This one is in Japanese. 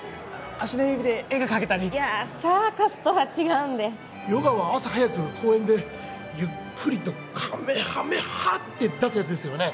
足の指で絵が描けたりいやサーカスとは違うんでヨガは朝早く公園でゆっくりとかめはめ波！って出すやつですよね？